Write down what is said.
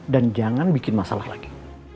dan jangan bikin masalah lagi